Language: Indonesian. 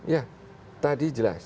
ya tadi jelas